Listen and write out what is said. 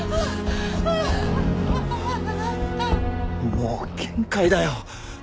もう限界だよ。